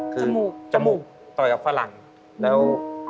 คือจมูกจมูกต่อยกับฝรั่งแล้ว